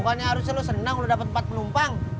bukannya harusnya lo senang udah dapet empat penumpang